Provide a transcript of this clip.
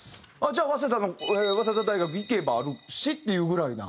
じゃあ早稲田の早稲田大学行けばあるしっていうぐらいな？